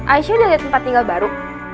aisha udah liat tempat tinggal baru